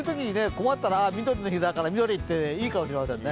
困ったらみどりの日だから、緑っていいかもしれないですね。